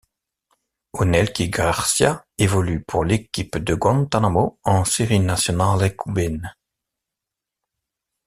Onelki García évolue pour l'équipe de Guantánamo en Serie Nacional cubaine.